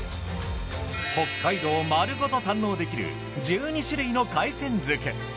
北海道をまるごと堪能できる１２種類の海鮮漬。